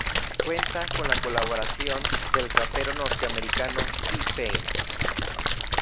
Cuenta con la colaboración del rapero norteamericano T-Pain.